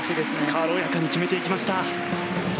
軽やかに決めていきました。